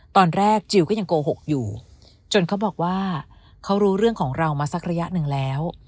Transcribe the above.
ตอนแรกจิลก็ยังโกหกอยู่จนเขาบอกว่าเขารู้เรื่องของเรามาสักระยะหนึ่งแล้ว